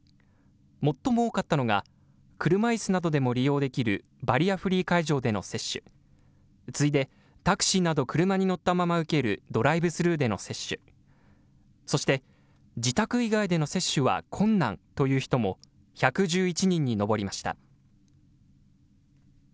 最も多かったのが、車いすなどでも利用できるバリアフリー会場での接種、次いで、タクシーなど車に乗ったまま受けるドライブスルーでの接種、そして、自宅以外での接種は困難という人も、１１１人に上りました。